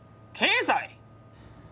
経済？